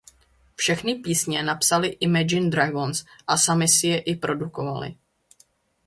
Všechny písně napsali Imagine Dragons a sami si je i produkovali.